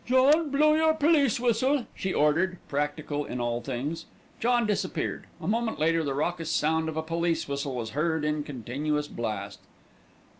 "John, blow your police whistle," she ordered, practical in all things. John disappeared. A moment later the raucous sound of a police whistle was heard in continuous blast.